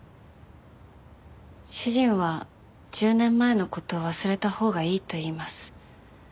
主人は１０年前の事忘れたほうがいいと言います。